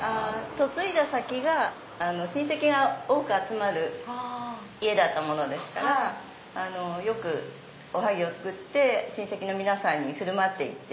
嫁いだ先が親戚が多く集まる家だったものですからよくおはぎを作って親戚の皆さんに振る舞っていて。